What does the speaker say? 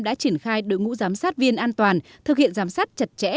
đã triển khai đội ngũ giám sát viên an toàn thực hiện giám sát chặt chẽ